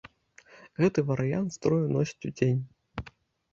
Гэты варыянт строю носяць удзень.